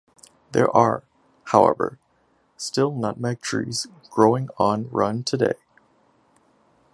There are, however, still nutmeg trees growing on Run today.